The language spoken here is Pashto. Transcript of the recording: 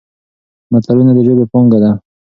متلونه د ژبې پانګه ده.